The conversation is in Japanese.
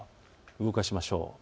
動かしましょう。